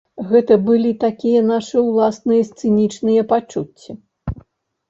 Гэта былі такія нашы ўласныя сцэнічныя пачуцці.